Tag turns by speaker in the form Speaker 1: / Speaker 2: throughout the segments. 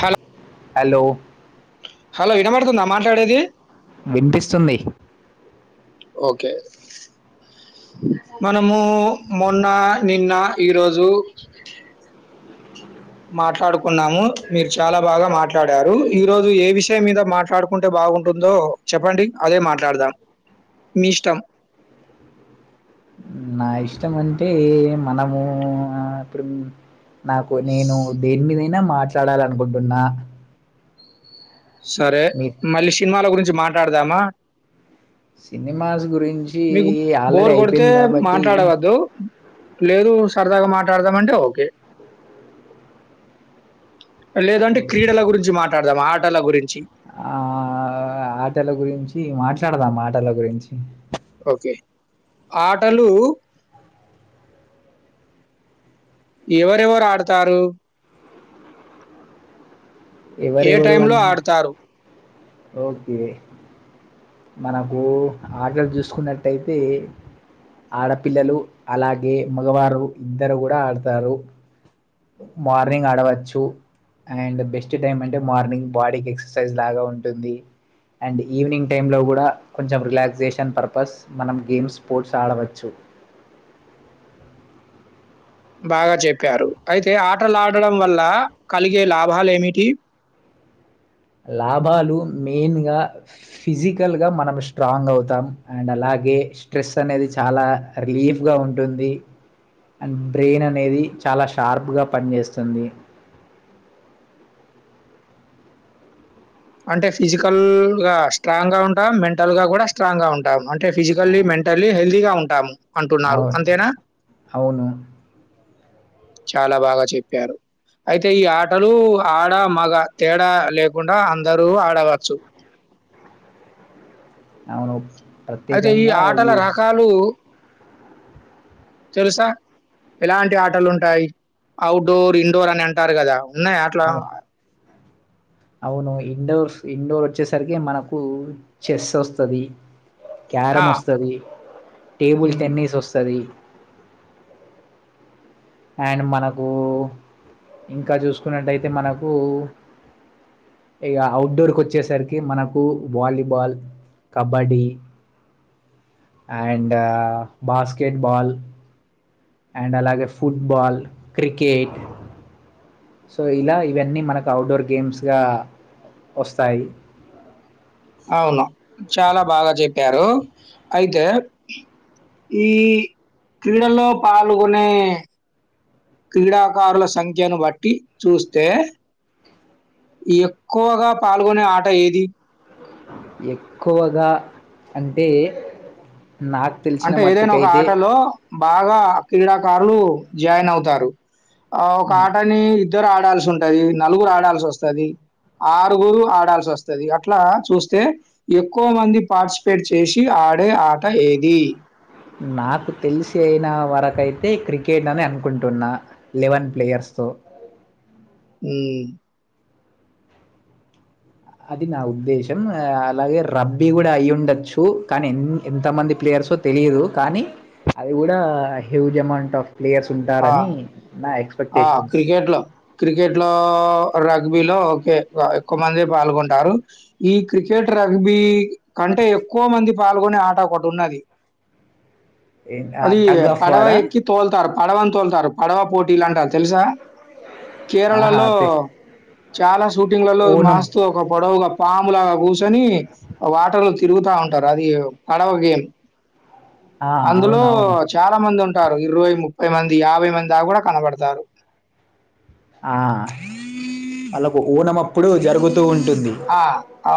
Speaker 1: Hello
Speaker 2: hello
Speaker 1: hello వినబడుతుందా మాట్లాడేది
Speaker 2: వినిపిస్తుంది
Speaker 1: ఓకే మనము మొన్న నిన్న ఈరోజు మాట్లాడుకున్నాము మీరు చాలా బాగా మాట్లాడారు ఈ రోజు ఏ విషయం మీద మాట్లాడుకుంటే బాగుంటుందో చెప్పండి అదే మాట్లాడదాం మీష్టం
Speaker 2: నా ఇష్టం అంటే మనము ఇప్పుడు నాకు నేను దేని మీద నా మాట్లాడాల అనుకుంటున్నా
Speaker 1: సరే మళ్ళీ సినిమాల గురించి మా ట్లాడదామా
Speaker 2: సినిమాస్ గురి
Speaker 1: మీకు బోర్ కొడితే మాట్లాడవద్దు లేదు సరదాగా మాట్లాడదామంటే ఓకే లేదంటే క్రీడల గురించి మా ట్లాడుదాం ఆటల గురిం
Speaker 2: ఆ ఆటల గురించి మాట్లాడదాం టల గురించి
Speaker 1: ఒకే ఆటలు ఎవరెవరు ఆడతారు ఏ
Speaker 2: ఎవరెవరు
Speaker 1: టైమ్ లో
Speaker 2: అన్
Speaker 1: ఆడతారు
Speaker 2: ఓకే మనకు ఆటలు చూసుకున్నట్టయితే ఆడపిల్లలు అలాగే మగవారు ఇద్దరు గూడా ఆడతారు మార్నింగ్ ఆడవచ్చు అండ్ బె మంచి టైం అంటే మార్నింగ్ బాడీకి ఎక్సర్సైజ్ లాగా ఉంటుంది అండ్ ఈవినింగ్ టైమ్ లో గూడా కొంచెం రిలాక్సేషన్ పర్పస్ మనం గేమ్స్ స్పోర్ట్స్ ఆడవచ్చు.
Speaker 1: బాగా చెప్పారు అయితే ఆటలు ఆడడం వల్ల కలిగే లాభాలు ఏమిటి.
Speaker 2: లాభాలు మెయిన్ గా ఫిజికల్ గా మనం స్ట్రాంగ్ అవుతాం అండ్ అలాగే స్ట్రెస్ అనేది చాలా రిలీఫ్గాఊ ఉంటుంది. అండ్ బ్రెయిన్ అనేది చాలా షార్ప్ గా పనిచేస్తుంది.
Speaker 1: అంటే ఫిజికల్ గా స్ట్రాంగ్ గా ఉంటాం మెంటల్ గా గుడా స్ట్రాంగ్ గా ఉంటాం అం టే ఫిజికల్లీ మెంటల్లీ హెల్తీ గా అంటాం అంటున్నారు
Speaker 2: అవు
Speaker 1: అంతేనా
Speaker 2: అవును
Speaker 1: చాలా బాగా చెప్పారు అయితే ఈ ఆటలు ఆడ మగ తేడా లేకుండా అ అందరు ఆడవచ్చు
Speaker 2: అవును
Speaker 1: అయితే ఈ ఆటల రకాలు తెలుసా ఎలాంటి ఆటలు ఉంటాయి అవుట్ డోర్ ఇండోర్ అని అంటారు కదా న్నాయా ఆట్లో
Speaker 2: అవు అవును ఇండోర్స్ ఇండోర్ ఒచ్చేసరికి మనకు చెస్ ఒస్తది
Speaker 1: ఆ!
Speaker 2: క్యారం ఒస్తది టేబుల్
Speaker 1: హ్మ్.
Speaker 2: టెన్నిస్ ఒస్తది అండ్ మనకు ఇంకా చూసుకున్నట్టయితే మనకు ఇక అవుట్ డోర్ వచ్చేసరికి మనకు volleyball kabaddi and basketball and అలాగే ఫుట్ బాల్ క్రికెట్ సో ఇలా ఇవన్నీ మనకు అవుట్ డోర్ గేమ్స్ గా వస్తాయి
Speaker 1: అవును చాలా బాగా జెప్పారు అయితే ఈ క్రీడల్లో పాల్గొనే క్రీడాకారుల సంఖ్యను బట్టి చూస్తే ఎక్కువగా పాల్గొనే ఆట ఏది
Speaker 2: ఎక్కువగా అంటే నాకు తెలిసిన
Speaker 1: అంటే ఏదైనా ఒక
Speaker 2: మట్టుకైతే
Speaker 1: ఆటలో బాగా క్రీడాకారులు జాయిన్ అవుతారు ఆ ఒక ఆటని ఇద్దరు ఆడాల్సి ఉంటది నలుగురు ఆడాల్సి వొస్తది ఆరుగురు ఆడాల్సివొస్తది అట్లా చూస్తే ఎక్కువ మంది పాటిస్పేట్ చేసి ఆడే ఆట ఏ ది
Speaker 2: నాకు తెలిసిన వరకయితే క్రికెట్ అని అనుకుంటున్నా లెవెన్ ప్లేయర్స్ తో
Speaker 1: ఊ
Speaker 2: అది నా ఉద్దేశం అలాగే రబ్బీ గూడా అయి ఉండచ్చు కానీ ఎంత మంది ప్లేయర్సో తెలియదు కానీ అది కూడా హ్యూజమన్ టఫ్
Speaker 1: అ అ
Speaker 2: ఎక్స్పెక్టేషన్స్
Speaker 1: క్రికెట్ లో క్రికెట్ లో ర గ్బీలో ఓకే ఎక్కువ మంది పాల్గొంటారు ఈ క్రికెట్ రగ్బీ కంటే ఎక్కువ మంది పాల్గొనే ఆట ఒకటి ఉన్నది అది
Speaker 2: టగ్ ఆఫ్
Speaker 1: పడవ
Speaker 2: వారా
Speaker 1: ఎక్కి తోల్తారు పడవన్ తోలుతారు పడవ పోటీలు అంటారు తెలుసా
Speaker 2: ఆహా
Speaker 1: కేరళలో
Speaker 2: అదే
Speaker 1: చాలా స్ షూటింగ్ లలో
Speaker 2: ఓనం
Speaker 1: మాస్తూ ఒక పొడవుగా పామ్ లాగా కూచొని వాటర్లు తిరుగుతా ఉంటారు అది పడవ గేమ్
Speaker 2: ఆ
Speaker 1: అందులో
Speaker 2: అవునవును
Speaker 1: చాలా మంది ఉన్ ట్టారు ఇరవై ముప్ ముప్పై మంది యాభై మంది దాక గూడా కనబడతారు
Speaker 2: ఆ అల్లకు అప్పుడు జరుగుతు
Speaker 1: ఆ ఆ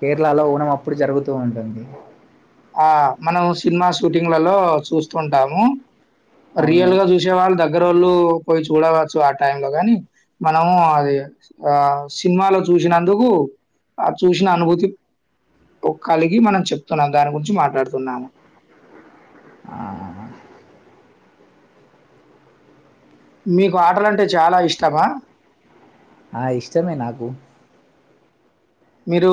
Speaker 2: కేరళలో ఊనం అప్పుడు జరుగుతూ ఉంటుంది
Speaker 1: ఆ మనం సినిమా షూటింగ్స్లలో చూస్తుంటాము
Speaker 2: అవును
Speaker 1: రియల్ గా చూసేవాళ్ళు దగ్ గ్గరోళ్ళు పోయి చూడవచ్చు ఆ టైన్ లో గాని మనము అది ఆ సినిమాల్లో చూసినందుకు ఆ చూసిన అనుభూతి ఒక్కలిగి మనం చెప్తున్నాం దాని గురించి మాట్లాడుతున్నాము
Speaker 2: ఆహా
Speaker 1: మీకు ఆటలంటే చాలా ఇష్టమా
Speaker 2: ఆ ఇష్టమే నాకు
Speaker 1: మీరు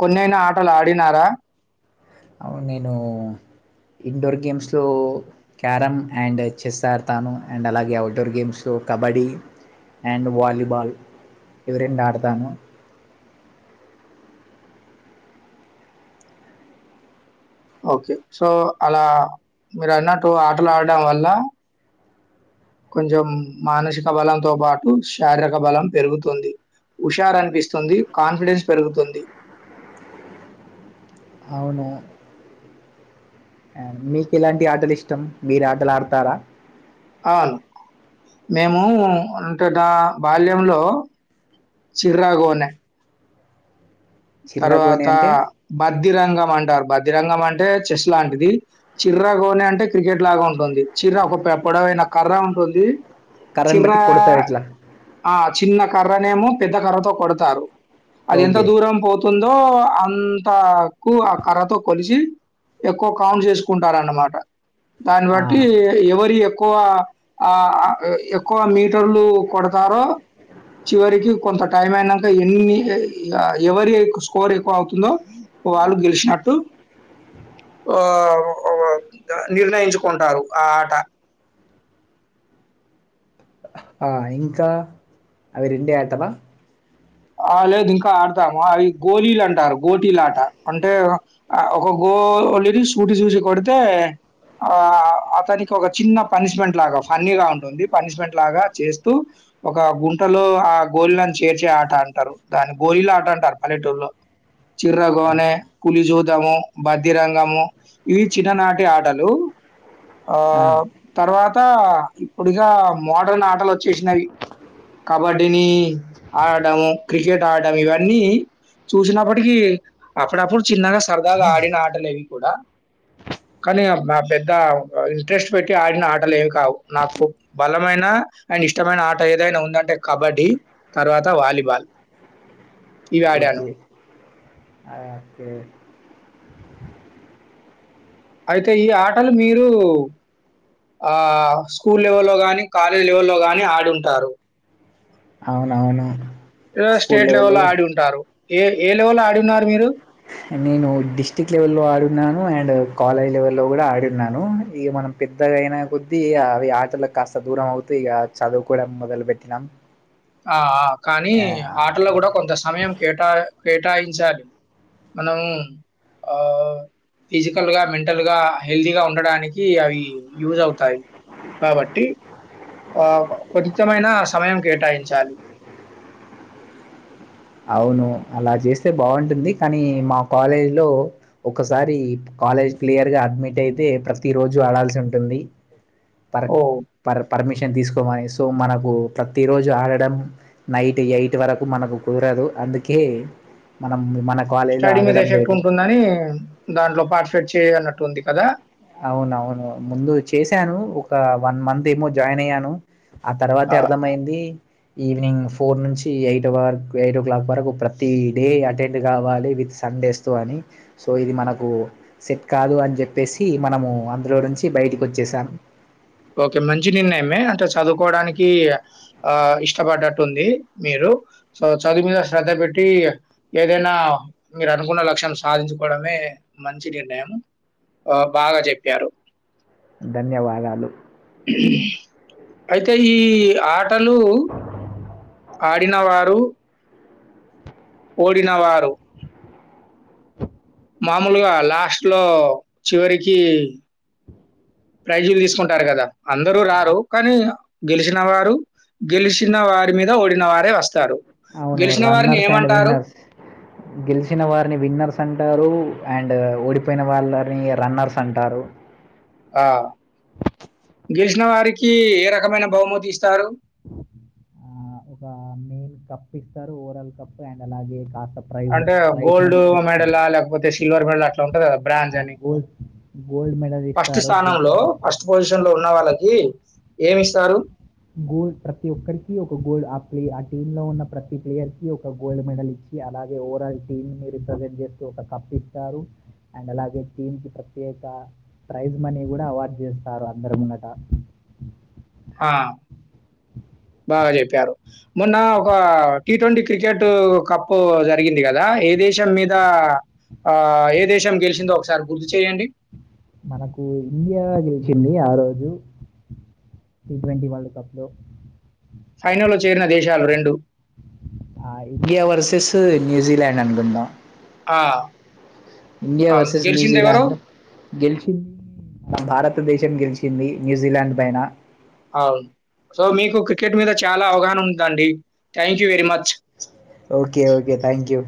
Speaker 1: కొన్ననా ఆటలు ఆడినారా
Speaker 2: నేను ఇండోర్ గేమ్స్లో క్యారమ్ అండ్ చెస్ ఆడతాను అండ్ అలాగే అవుట్డోర్ గేమ్స్లో కబడ్డీ అండ్ వాలీబాల్ ఇవి రెండు ఆడతాము
Speaker 1: ఓకే సో అలా మీరు అన్నట్టు ఆటలాడడం వల్ల కొంచెం మానసిక బలంతో పాటు శారీరక బలం పెరుగుతుంది హుషారు అనిపిస్తుంది కాన్ఫిడెన్స్ పెరుగుతుంది
Speaker 2: అవునా మీకు ఎలాంటి ఆటలు ఇష్టం మీరు ఆటలు ఆడుతారా
Speaker 1: ఆ మేము అంతట బాల్యంలో చిర్రగోనే
Speaker 2: చిర్రగోని
Speaker 1: తరువాత
Speaker 2: అంటే
Speaker 1: బద్దిరంగం అంటారు బద్ ది రంగం అంటే చెస్ లాంటిది చిర్రగోనే అంటే క్రికెట్ లాగా ఉంటుంది చిర్ర ఒక పొడవైన కర్ర ఉంటుంది
Speaker 2: కర్రను బట్టి
Speaker 1: చిరా
Speaker 2: కొడతారు ఇట్లా
Speaker 1: ఆ చిన్న కర్రనేమో పెద్ద కర్రతో కొడతారు అది ఎంత
Speaker 2: ఓకే
Speaker 1: దూరం పోతుందో అంతకు ఆ కర్రతో కొలిసి ఎక్కువ కౌంట్ చేసుకుంటారన్నమాట దాన్ని
Speaker 2: ఆ,
Speaker 1: బట్టి ఎవరి ఏ ఎక్కువ ఆ ఎక్కువ మీటర్లు కొడతారో చివరిీకి కొంత టైం అయినా ఎన్ని ఎవరి ఎక్కువ స్కోర్ అవుతుందో వాళ్ళు గెలిచినట్టు ఆ నిర్ణయించుకుంటారు ఆ ఆట
Speaker 2: ఆ ఇంకా అవి రెండే ఆటలా
Speaker 1: ఆ లేదు ఇంకా ఆడతాము అవి గోళలు అంటారు గోటీలా ఆట అంటే ఒక గోలిని సూటి చూసి కొడితే ఆ అతనికి ఒక చిన్న పనిష్మెంట్ లాగా ఫన్నీగా ఉంటుంది పనిష్మెంట్ లాగా చేస్తూ ఒక గుంటలో ఆ గోళలను చేర్చే అంట టరు దాన్ని గోలిలాట అంటారు పల్లెటూరులో చిర్రగొనే పులిజు ము బద్దిరంగము ఇవి చిన్ననాటి ఆటలు అ
Speaker 2: ఆ,
Speaker 1: తర్వాత అంత ఇప్పుడుగా మోడర్న్ ఆటలు వచ్చేసినవి కబడ్డీని ఆడటము క్రికెట్ ఆడడం ఇవన్నీ చూసినప్పటికీ అప్పుడప్పుడు చిన్నగా సరదాగా ఆడిన ఆటలువి కూడా కానీ పెద్ద ఇంట్రెస్ట్ పెట్టి ఆడిన ఆటలు ఏవి కావు నాకు బలమైన అండ్ ఇష్టమైన ఆట ఏదైనా ఉందంటే కబడ్డీ తర్వాత వాలీబాల్ ఇవి ఆడాను.
Speaker 2: ఓకే అకె
Speaker 1: అయితే ఈ ఆటలు మీరు ఆ స్కూల్ లెవెల్లో గానీ కాలేజ్ లెవెల్లో గానీ ఆడుంటారు
Speaker 2: అవునవును స్కూల్
Speaker 1: స్టేట్ లెవెల్
Speaker 2: లెవెల్లో
Speaker 1: లో ఆడి ఉంటారు ఏ ఏ లెవలో ఆడిన్నారు మీరు
Speaker 2: నేను డిస్టి్రిక్ట్ లెవెల్ల్లో ఆడున్నాను అండ్ కాలేజ్ లెవెల్లో కూడా ఆడున్నాను ఇక మనం పెద్దగాయినా కొద్దీ అవి ఆటలకు కాస్త దూరం అవుతూ ఇక చదువు కూడా మొదలు పెెట్టినాం
Speaker 1: ఆ కానీ ఆటల్లో కూడా కొంత సమయం కేటా కేటాయించాలి మనము ఫిజికల్గా మెంటల్గా హెల్తీగా ఉండడానికి అవి యూజ్ అవుతాయి కాబట్టి కొన్నితమైన సమయం కేటాయించాలి చాలు
Speaker 2: అవును అలా చేస్తే బాగుంటుంది కానీ మా కాలేజ్ లో ఒకసారి కాలేజ్ క్లియర్గా అడ్మిట్ అయితే ప్రతి రోజు ఆడాల్సి ఉంటుంది ప
Speaker 1: ఓహ్!
Speaker 2: ప పర్మిషన్ తీసుకోమని సో మనకు ప్రతి రోజు ఆడడం నైట్ ఎయిట్ వరకు మనకు కుదరదు అందుకే మనం మన కాలేజీలో
Speaker 1: స్టడీ మీద
Speaker 2: ఆడడం
Speaker 1: ఎఫెక్ట్
Speaker 2: లేదు
Speaker 1: ఉంటుందని దాంట్లో పార్టిసిపేట్ చేయ అన్నట్టుంది కదా
Speaker 2: అవునవును ముందు చేశాను ఒక వన్ మంత్ ఏమో జాయిన్ అయ్యాను ఆ తర్వాత అర్థంమయింది ఈవినింగ్ ఫోర్ నుంచి ఎయిట్ వ ఎయిట్ ఓ క్లాక్ వరకు ప్రతి డే అటెండ్ కావాలి విత్ సడేస్తో అని సో ఇది మనకు సెట్ కాదు అని చెప్పేసి మనము అందులో నుంచి బయటికి వచ్చేసాను
Speaker 1: ఓకే మంచి నిర్ణయమే అంటే చదువుకోవడానికి ఆ ఇష్టపడ్డట్టుంది మీరు సో చదువు మీద శ్రద్ధ పెట్టి ఏదైనా మీరు అనుకున్న లక్ష్యం సాధించుకోవడమే మంచి నిర్ణయం ఆ బాగా చెప్పారు
Speaker 2: ధన్యవాదాలు
Speaker 1: అయితే ఈ ఆటలు ఆడిన వారు ఓడిినవా మామూలుగా లాస్ట్లో చివరికి ప్రైజులు తీసుకుంటారు కదా అందరూ రారు కానీ గెలిచిన వారు గెలిచిన వారి మీద ఓడిన వారే వస్తారు
Speaker 2: అవును
Speaker 1: గెలిచిన వారిని
Speaker 2: రన్నర్స్ అండ్
Speaker 1: ఏమంటారు?
Speaker 2: విన్నర్స్ గెలిచిన వారిని విన్నర్స్ అంటారు అండ్ ఓడిపోయిన వాళ్ళని రన్నర్స్ అంటారు
Speaker 1: ఆ గెలిచిన వారికి ఏ రకమైన బహుమతి ఇస్తారు
Speaker 2: ఆ ఒక మెయిన్ కప్ ఇస్తారు ఓరల్ కప్పు అండ్ అలాగే కాస్
Speaker 1: అంటే గోల్డ్ మెడలా లేకపోతే సిల్వర్ మెడల్ అట్లా ఉంటంది కదా బ్రాంజ్ అని
Speaker 2: గోల్డ్ గోల్డ్ మెడల్
Speaker 1: ఫస్ట్
Speaker 2: ఇస్తారు గెలిచిన
Speaker 1: స్థానంలో
Speaker 2: వారికి
Speaker 1: ఫస్ట్ పొజిషన్ లో ఉన్న వాళ్ళకి ఏమ్ ఇస్తారు
Speaker 2: గోల్డ్ ప్రతి ఒక్కరికి ఒక గోల్డ్ ఆ ప్లే ఆ టీమ్ లో ఉన్న ప్రతి ప్లేయర్కి ఒక గోల్డ్ మెడల్ ఇచ్చి అలాగే ఓరాల్ టీమ్ నీ రిప్రజెంట్ చేస్తూ ఒక కప్ ఇస్తారు అండ్ అలాగే టీంకి ప్రత్యేక ప్రైజ్ మనీ కూడా అవార్డు చేస్తారు అందర్ ముంగట
Speaker 1: హా బాగా చెప్పారు మొన్న ఒక టీ ట్వంటీ క్రికెట్ కప్పు జరిగింది కదా ఏ దేశం మీద ఆ ఏ దేశం గెలిచిందో ఒకసారి గుర్తు చెయండి
Speaker 2: మనకు ఇండియా గెలిచింది ఆ రోజు టీ ట్వంటీ వరల్డ్ కప్ లో
Speaker 1: ఫైనల్లో చేరిన దేశాలు రెండు
Speaker 2: ఆ ఇండియా వర్ సేసు న్యూజీలాండ్ అనుకుంట
Speaker 1: ఆ
Speaker 2: ఇండియా
Speaker 1: అవును
Speaker 2: వర్సెస్
Speaker 1: గెలిచింది ఎవరు
Speaker 2: న్యూజీలాండ్ లో గెల్ చిన్ భారతదేశ్ టెన్ గెలిచింది న్యూజిలాండ్ పైన
Speaker 1: అవును సో మీకు క్రికెట్ మీద చాలా అవగాహన ఉందండి thank you very much
Speaker 2: okay okay thank you